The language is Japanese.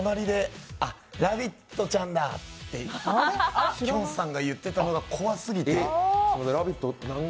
ラヴィットちゃんだってきょんさんが言ってたのが怖すぎて。